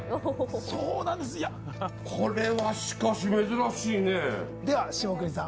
そうなんですいやこれはしかし珍しいねでは下國さん